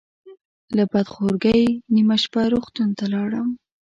له بده خورګۍ نیمه شپه روغتون ته لاړم.